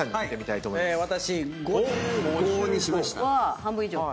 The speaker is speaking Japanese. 半分以上。